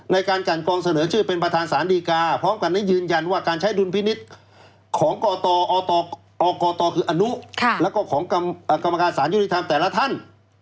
กันกองเสนอชื่อเป็นประธานสารดีกาพร้อมกันนี้ยืนยันว่าการใช้ดุลพินิษฐ์ของกตกอกตคืออนุแล้วก็ของกรรมการสารยุติธรรมแต่ละท่าน